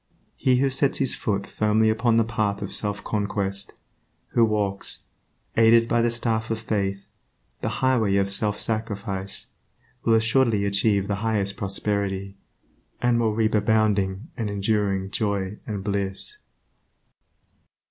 He who sets his foot firmly upon the path of self conquest, who walks, aided by the staff of Faith, the highway of self sacrifice, will assuredly achieve the highest prosperity, and will reap abounding and enduring joy and bliss.